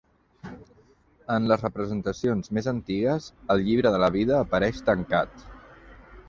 En les representacions més antigues el Llibre de la vida apareix tancat.